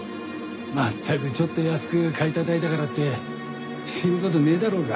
まったくちょっと安く買い叩いたからって死ぬ事ねえだろうが。